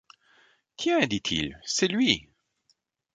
Tiens, dit-il, c’est lui.